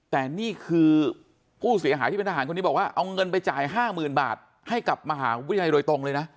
แต่นี่คือผู้เสียหายที่เป็นทหารคนนี้บอกว่าเอาเงินไปจ่าย๕๐๐๐บาทให้กับมหาวิทยาลัยโดยตรงเลยนะ